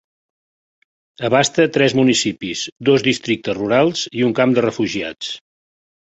Abasta tres municipis, dos districtes rurals i un camp de refugiats.